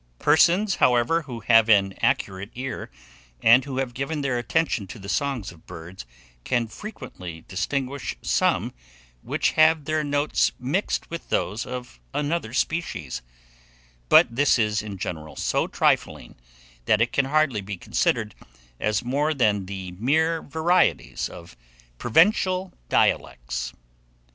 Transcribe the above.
Persons; however, who have an accurate ear, and who have given their attention to the songs of birds, can frequently distinguish some which have their notes mixed with those of another species; but this is in general so trifling, that it can hardly be considered as more than the mere varieties of provincial dialects.